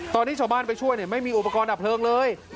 ตอนที่ชาวบ้านไปช่วยไม่มีอุปกรณ์ดับเพลิงเลย